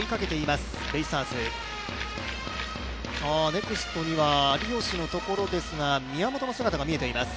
ネクストには有吉のところですが、宮本の姿が見えています。